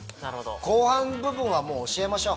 後半部分はもう教えましょう。